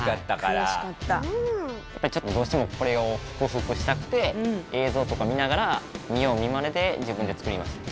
やっぱりちょっとどうしてもこれを克服したくて映像とか見ながら見よう見まねで自分で作りました。